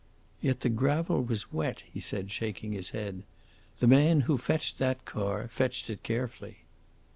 "Yet the gravel was wet," he said, shaking his head. "The man who fetched that car fetched it carefully."